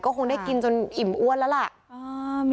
คงได้กินจนอิ่มอ้วนแล้วล่ะ